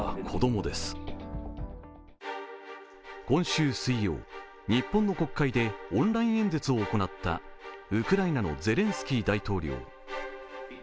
今週水曜、日本の国会でオンライン演説を行ったウクライナのゼレンスキー大統領。